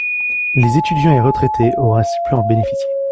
Les étudiants et retraités auraient ainsi pu en bénéficier.